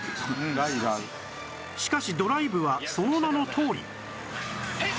しかし『ドライブ』はその名のとおり変身！